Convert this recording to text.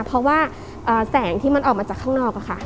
เพราะว่าแสงที่มันออกมาจากข้างนอกค่ะ